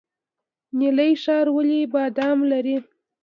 نیلي ښار ولې بادام لري؟